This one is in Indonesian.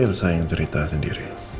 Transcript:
ya elsa yang cerita sendiri